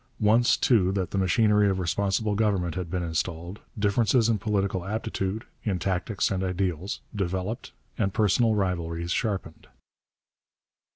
Once, too, that the machinery of responsible government had been installed, differences in political aptitude, in tactics and ideals, developed, and personal rivalries sharpened.